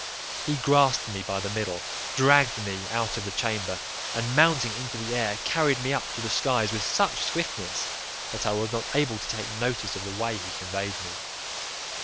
He grasped me by the middle, dragged me out of the chamber, and mounting into the air, carried me up to the skies with such swiftness, that I was not able to take notice of the way he conveyed me.